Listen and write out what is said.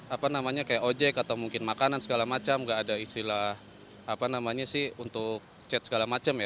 apa namanya kayak ojek atau mungkin makanan segala macam gak ada istilah apa namanya sih untuk chat segala macam ya